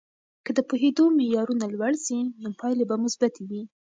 که د پوهیدو معیارونه لوړ سي، نو پایلې به مثبتې وي.